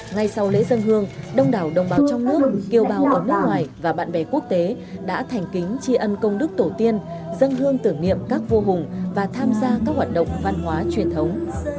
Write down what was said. ngay sau lễ dân hương đông đảo đồng bào trong nước kiều bào ở nước ngoài và bạn bè quốc tế đã thành kính tri ân công đức tổ tiên dân hương tưởng niệm các vô hùng và tham gia các hoạt động văn hóa truyền thống